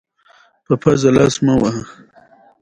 ازادي راډیو د کډوال په اړه د پوهانو څېړنې تشریح کړې.